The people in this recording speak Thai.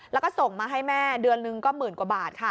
แล้วก็ส่งมาให้แม่เดือนหนึ่งก็หมื่นกว่าบาทค่ะ